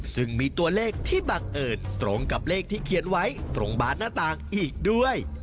ซึ่งมีตัวเลขที่บังเอิญตรงกับเลขที่เขียนไว้ตรงบานหน้าต่างอีกด้วย